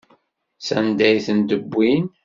Sanda ay ten-wwin?